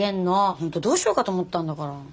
本当どうしようかと思ったんだから。